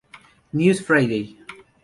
News Friday.